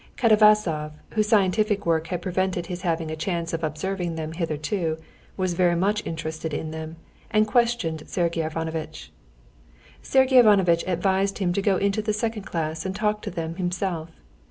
Katavasov, whose scientific work had prevented his having a chance of observing them hitherto, was very much interested in them and questioned Sergey Ivanovitch. Sergey Ivanovitch advised him to go into the second class and talk to them himself.